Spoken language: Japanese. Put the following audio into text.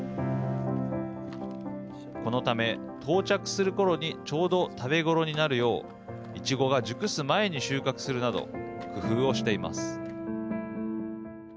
このため、到着するころにちょうど食べ頃になるようイチゴが熟す前に収穫するなど工夫をしています。